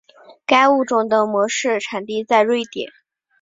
该物种的模式产地在瑞典。